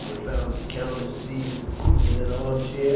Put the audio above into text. They found the countess seated in an arm chair.